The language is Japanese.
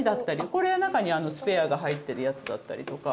これは中にスペアが入ってるやつだったりとか。